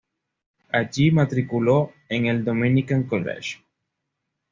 Allí matriculó en el Dominican College.